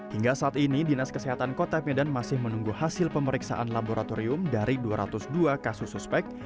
hingga saat ini dinas kesehatan kota medan masih menunggu hasil pemeriksaan laboratorium dari dua ratus dua kasus suspek